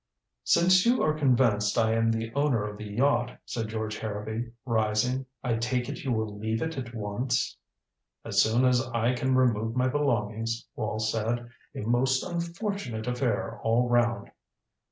"Since you are convinced I am the owner of the yacht," said George Harrowby, rising, "I take it you will leave it at once?" "As soon as I can remove my belongings," Wall said. "A most unfortunate affair all round."